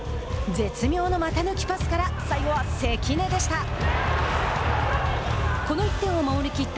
絶妙の股抜きパスから最後は関根でした。